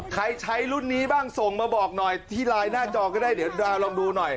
ใครใช้รุ่นนี้บ้างส่งมาบอกหน่อยที่ไลน์หน้าจอก็ได้เดี๋ยวลองดูหน่อย